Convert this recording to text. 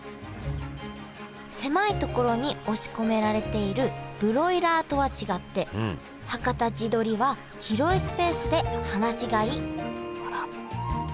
狭いところに押し込められているブロイラーとは違ってはかた地どりは広いスペースで放し飼いあら。